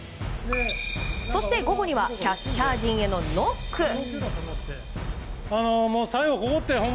そして午後にはキャッチャー陣へのノック。